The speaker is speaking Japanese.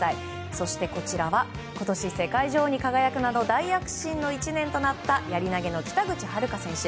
そして、こちらは今年、世界女王に輝くなど大躍進の１年となったやり投げの北口榛花選手。